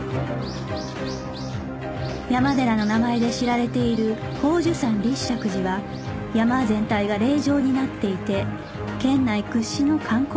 山寺の名前で知られている宝珠山立石寺は山全体が霊場になっていて県内屈指の観光名所である